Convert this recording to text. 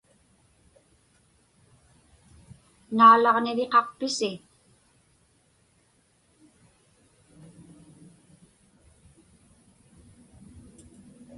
Naalaġniviqaqpisi?